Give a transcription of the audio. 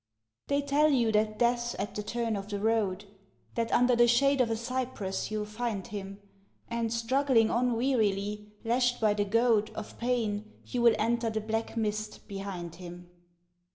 They tell you that Death's at the turn of the road, That under the shade of a cypress you'll find him, And, struggling on wearily, lashed by the goad Of pain, you will enter the black mist behind him.